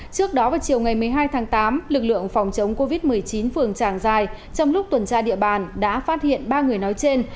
trước đó vào chiều ngày một mươi hai tháng tám lực lượng phòng chống covid một mươi chín phường tràng dài trong lúc tuần tra địa bàn đã phát hiện ba người nói trên